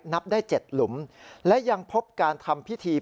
นับได้๗หลุมและยังพบการทำพิธี